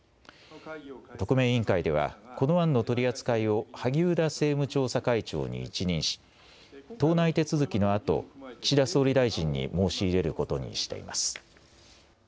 特命委員会ではこの案の取り扱いを萩生田政務調査会長に一任し党内手続きのあと岸田総理大臣に申し入れることにしています。